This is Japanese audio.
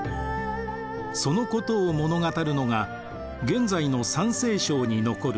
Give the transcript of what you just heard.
そのことを物語るのが現在の山西省に残る雲崗石窟。